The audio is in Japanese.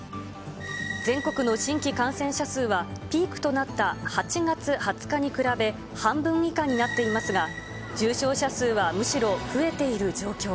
全国の新規感染者数は、ピークとなった８月２０日に比べ、半分以下になってますが、重症者数はむしろ増えている状況。